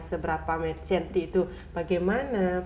seberapa cm itu bagaimana